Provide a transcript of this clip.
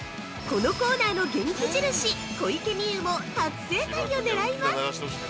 ◆このコーナーの元気印小池美由も初正解を狙います！